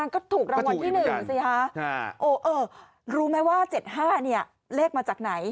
ก็ถูกรางวัลที่๑สิคะรู้ไหมว่า๗๕เนี่ยเลขมาจากไหน